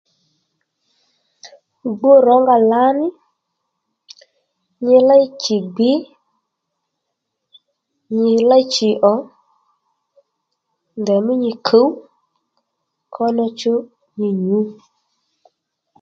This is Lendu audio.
Gbú rǒnga lǎní nyi léy chì gbǐ nyi léy chì ò ndèymí nyi kǔw kónó chú nyi nyǔ